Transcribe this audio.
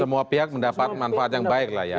semua pihak mendapat manfaat yang baik lah ya